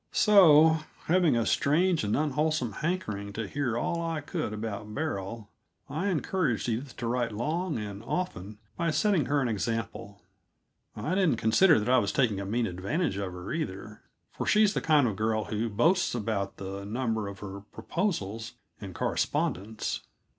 So, having a strange and unwholesome hankering to hear all I could about Beryl, I encouraged Edith to write long and often by setting her an example. I didn't consider that I was taking a mean advantage of her, either, for she's the kind of girl who boasts about the number of her proposals and correspondents.